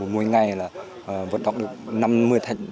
mỗi ngày là vận động được